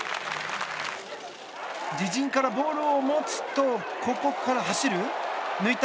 自陣からボールを持つとここから走る抜いた。